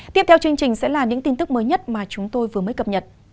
tiếp theo chương trình sẽ là những tin tức mới nhất mà chúng tôi vừa mới cập nhật